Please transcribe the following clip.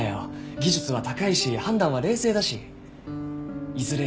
技術は高いし判断は冷静だしいずれ